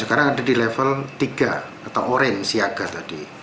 sekarang ada di level tiga atau orange siaga tadi